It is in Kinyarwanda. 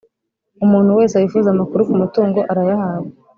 Umuntu wese wifuza amakuru ku mutungo arayahabwa